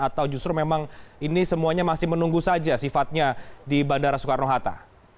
atau justru memang ini semuanya masih menunggu saja sifatnya di bandara soekarno hatta